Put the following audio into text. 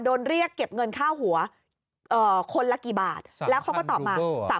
โดนเรียกเก็บเงินข้าวหัวคนละกี่บาทแล้วเขาก็ตอบมา๓๐๐๐รูเบิ้ล